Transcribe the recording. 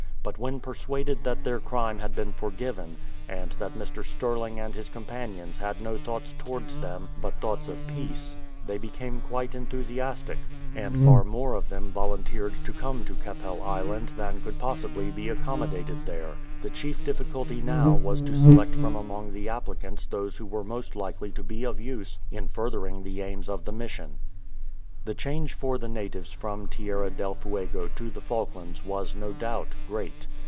But when persuaded that their crime had been forgiven, and that Mr. Stirling and his companions had no thoughts towards them but thoughts of peace, they became quite enthusiastic, and far more of them volunteered to come to Keppel Island than could possibly be accommodated there. The chief difficulty now was to select from among the applicants those who were most likely to be of use in furthering the aims of the Mission. The change for the natives from Tierra del Fuego to the Falklands was, no doubt, great.